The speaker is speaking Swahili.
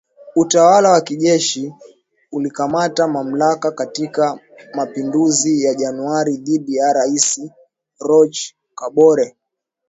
Utawala wa kijeshi ulikamata mamlaka katika mapinduzi ya Januari dhidi ya Rais Roch Kabore